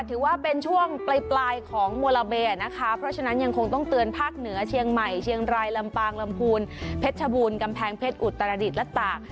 ถือว่าเป็นช่วงปลายของโมลาเบนะคะเพราะฉะนั้นยังคงต้องเตือนภาคเหนือเชียงใหม่เชียงรายลำปางลำพูนเพชรชบูรณกำแพงเพชรอุตรดิษฐ์และตาก